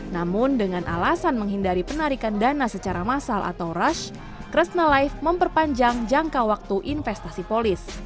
namun dengan alasan menghindari penarikan dana secara massal atau rush kresna life memperpanjang jangka waktu investasi polis